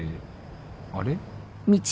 あれ？